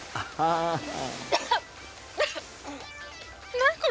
「何これ？